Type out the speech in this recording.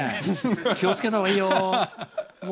気をつけたほうがいいよ。